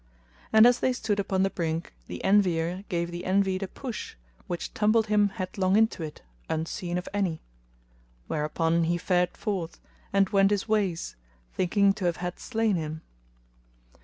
And as they stood upon the brink the Envier gave the Envied a push which tumbled him headlong into it, unseen of any; whereupon he fared forth, and went his ways, thinking to have had slain him.